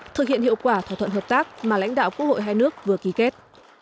thực hiện hiệu quả thỏa thuận hợp tác mà lãnh đạo quốc hội hai nước vừa ký kết